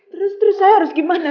terus terus saya harus gimana